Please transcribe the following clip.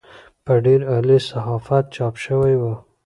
په ډېر عالي صحافت چاپ شوې وه.